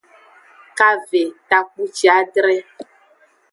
Kave takpuciadre.